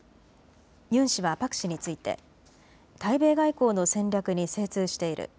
ユン氏はパク氏について対米外交の戦略に精通している。